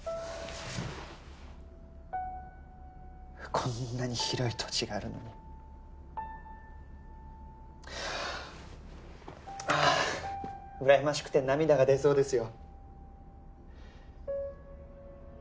こんなに広い土地があるのにああ羨ましくて涙が出そうですよ